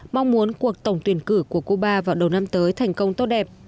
mong muốn cuộc tổng tuyển cử của cuba vào đầu năm tới thành công tốt đẹp